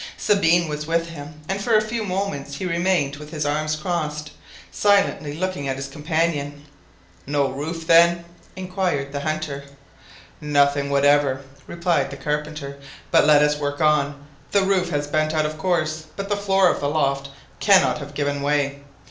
Sabine was with him, and for a few moments he remained with his arms crossed, silently looking at his companion. "No roof then?" inquired the hunter. "Nothing whatever," replied the carpenter, "but let us work on, the roof has bent of course, but the floor of the loft cannot have given way.